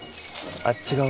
あっち側？